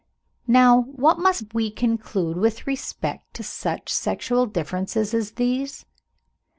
Now, what must we conclude with respect to such sexual differences as these?